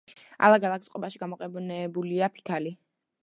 ალაგ-ალაგ წყობაში გამოყენებულია ფიქალი.